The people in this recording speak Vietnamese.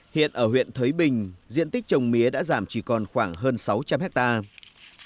hiện ở huyện thới bình diện tích trồng mía đã giảm chỉ còn khoảng hơn sáu trăm linh hectare